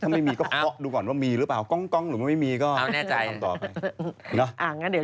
ถ้าไม่มีก็เคาะดูก่อนว่ามีหรือเปล่ากล้องหรือไม่มีก็แน่ใจกันต่อไป